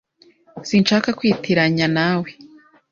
Sinshaka kwitiranya nawe .